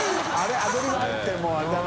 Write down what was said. アドリブ入ってもうアレだな。